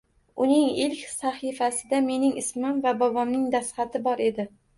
Uning ilk sahifasida menim ismim va bobomning dastxati bor edi